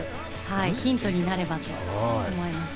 ヒントになればと思いまして。